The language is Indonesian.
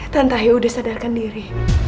tante ayu udah sadarkan diri